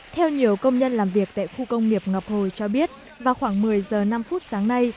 theo nhiều công nhân làm việc tại khu công nghiệp ngọc hồi cho biết vào khoảng một mươi giờ năm phút sáng nay